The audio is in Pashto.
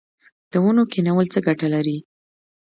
د ونو کینول څه ګټه لري؟